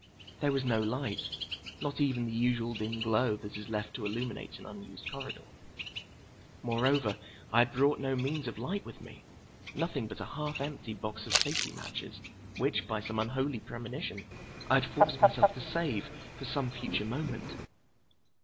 There was no light, not even the usual dim glow that is left to illuminate an unused corridor. Moreover, I had brought no means of light with me—nothing but a half empty box of safety matches which, by some unholy premonition, I had forced myself to save for some future moment.